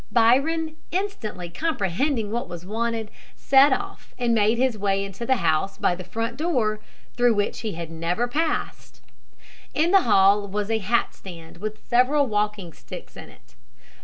Byron, instantly comprehending what was wanted, set off, and made his way into the house by the front door, through which he had never before passed. In the hall was a hatstand with several walking sticks in it.